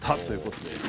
ということで。